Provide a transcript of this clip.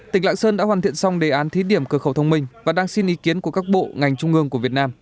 tỉnh lạng sơn đã hoàn thiện xong đề án thí điểm cửa khẩu thông minh và đang xin ý kiến của các bộ ngành trung ương của việt nam